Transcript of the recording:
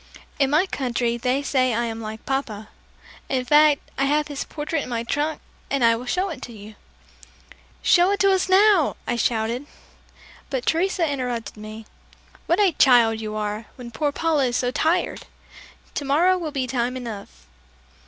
"In my country they say I am like Papa. In fact, I have his portrait in the trunk and I will show it to you." "Show it to us now!" I shouted. But Teresa interrupted me. "What a child you are, when poor Paula is so tired! Tomorrow will be time enough."